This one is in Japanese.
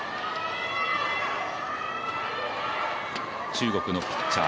中国のピッチャー